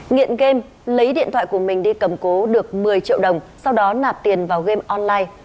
nghiện game lấy điện thoại của mình đi cầm cố được một mươi triệu đồng sau đó nạp tiền vào game online